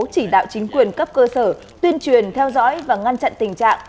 chỉ đạo chính quyền cấp cơ sở tuyên truyền theo dõi và ngăn chặn tình trạng